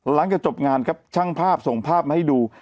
หลังจากจบงานครับช่างภาพส่งภาพมาให้ดู